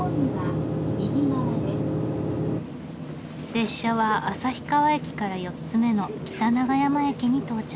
列車は旭川駅から４つ目の北永山駅に到着。